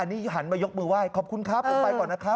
นี่หันมายกมือไหว้ขอบคุณครับผมไปก่อนนะครับ